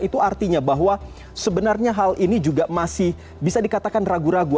itu artinya bahwa sebenarnya hal ini juga masih bisa dikatakan ragu ragu